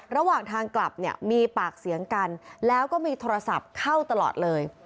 ระหว่างทางกลับเนี่ยมีปากเสียงกันแล้วก็มีโทรศัพท์เข้าตลอดเลย